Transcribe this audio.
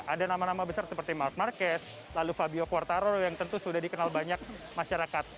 ada nama nama besar seperti mark marquez lalu fabio quartaroro yang tentu sudah dikenal banyak masyarakat